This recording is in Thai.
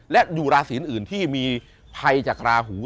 และอยู่ราศีอื่นที่มีภัยจากราหู